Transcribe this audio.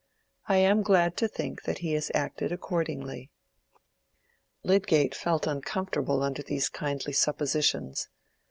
I am glad to think that he has acted accordingly." Lydgate felt uncomfortable under these kindly suppositions.